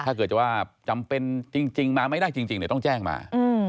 ถ้าเกิดจะว่าจำเป็นจริงมาไม่ได้จริงต้องแจ้งมา